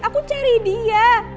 aku cari dia